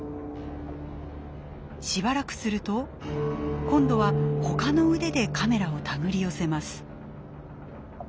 しばらくすると今度は他の腕でカメラを手繰り寄せます。